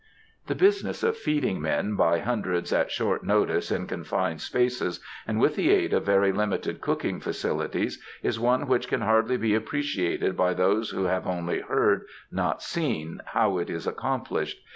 The business of feeding men by hundreds at short notice, in confined spaces, and with the aid of very limited cooking facilities, is one which can hardly be appreciated by those who have only heard, not seen, how it is accomplished.